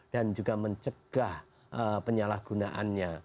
dan juga mencegah penyalahgunaannya